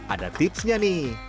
ada tipsnya nih